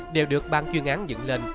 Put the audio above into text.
đều được ban chuyên án dựng lên